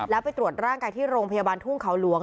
แล้วไปตรวจร่างกายที่โรงพยาบาลทุ่งเขาหลวง